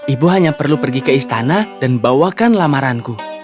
ibu hanya perlu pergi ke istana dan bawakan lamaranku